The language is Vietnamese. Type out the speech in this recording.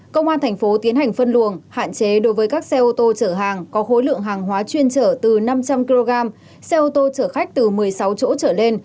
công an thành phố tiến hành phân luồng hạn chế đối với các xe ô tô chở hàng có khối lượng hàng hóa chuyên trở từ năm trăm linh kg xe ô tô chở khách từ một mươi sáu chỗ trở lên